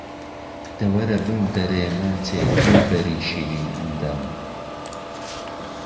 دە وەرە بمدەرێ ماچێ، دولبەری شیرین ئەندام